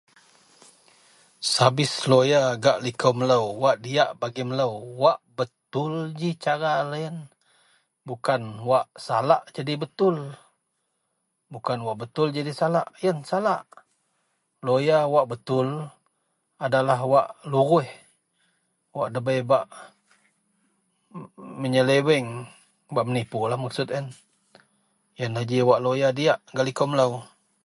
Service lawyer gak liko melo wak diak bagi melo wak betul ji cara lo yian bukan wak salak jadi betul. Betu Lawyer wak betul adalah wak lurus debai menyeleweng. Yian ji lawyer diak gak likou melo.